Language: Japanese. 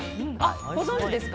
ご存じですか。